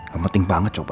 gak penting banget coba